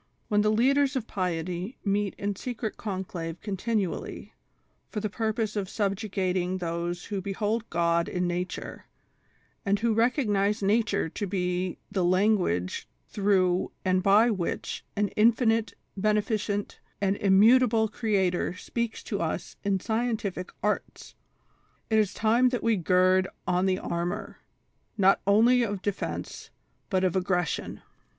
When the leaders of piety meet in secret conclave continually, for the purpose of subjugating those who behold God in Nature, and who recognize Nature to be the language through and by which an Infinite, Beneficent and Immu table Creator speaks to us in scientific 'arts,' it is time that we gird on the armor, not only of defence, but of ag gression.